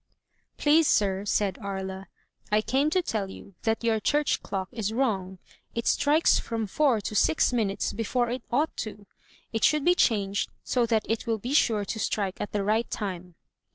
"Please, sir," said Aria, "I came to tell you that your church clock is wrong. It strikes from four to six minutes before it ought to. It should be changed so that it will be sure to strike at the right time."